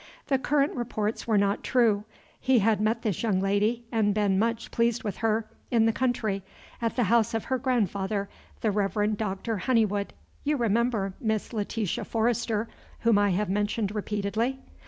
The current reports were not true. He had met this young lady, and been much pleased with her, in the country, at the house of her grandfather, the Reverend Doctor Honeywood, you remember Miss Letitia Forrester, whom I have mentioned repeatedly?